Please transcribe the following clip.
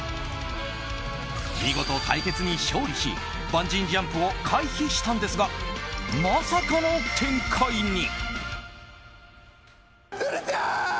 見事、対決に勝利しバンジージャンプを回避したんですがまさかの展開に。